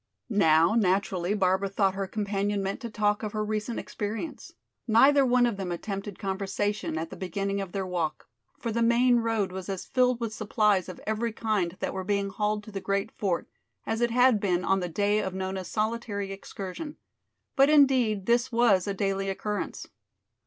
Now naturally Barbara thought her companion meant to talk of her recent experience. Neither one of them attempted conversation at the beginning of their walk, for the main road was as filled with supplies of every kind that were being hauled to the great fort, as it had been on the day of Nona's solitary excursion. But indeed this was a daily occurrence.